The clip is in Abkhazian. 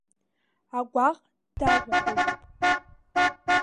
Агәаҟ дажәаҳәаҩуп.